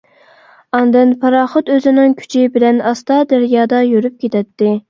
ئاندىن پاراخوت ئۆزىنىڭ كۈچى بىلەن ئاستا دەريادا يۈرۈپ كېتەتتى.